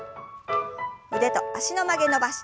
腕と脚の曲げ伸ばし。